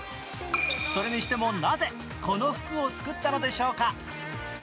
それにしても、なぜこの服を作ったのでしょうか。